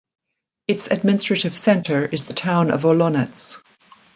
Its administrative center is the town of Olonets.